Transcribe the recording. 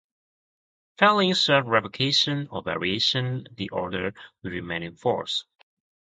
Failing such revocation or variation the Order will remain in force.